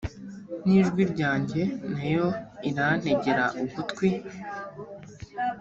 n ijwi ryanjye na yo irantegera ugutwi